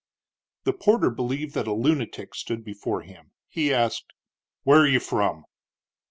The porter believed that a lunatic stood before him. He asked: "Where are you from?"